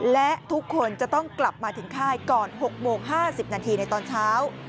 และทุกคนจะต้องกลับมาถึงค่ายก่อน๖โมง๕๐นาทีในตอนเช้า